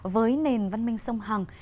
với nền văn minh sông hằng